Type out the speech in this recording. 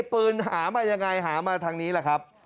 ปืนหามายังไงหามาทางนี้แหละครับ